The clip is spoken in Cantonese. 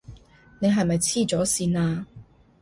你係咪痴咗線呀？